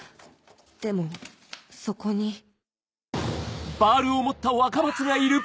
でもそこにキャ！